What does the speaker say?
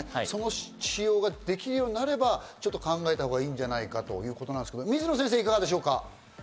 その使用ができるようになれば考えたほうがいいんじゃないかということですけど、水野先生いかがでしょう？